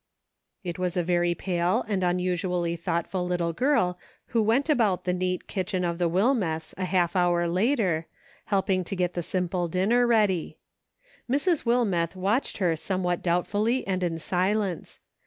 " It was a very pale and unusually thoughtful lit* " I WILL. 97 tie girl who went about the neat kitchen of the Wihrieths a half hour later, helping to get the simple dinner ready. Mrs. Wilmeth watched her somewhat doubtfully and in silence.